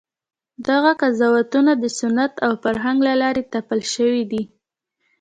دغه قضاوتونه د سنت او فرهنګ له لارې تپل شوي دي.